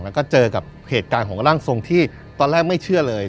แล้วก็เจอกับเหตุการณ์ของร่างทรงที่ตอนแรกไม่เชื่อเลย